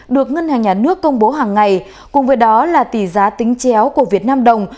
được ngân hàng nhà nước công bố hàng ngày cùng với đó là tỷ giá tính chéo của việt nam đồng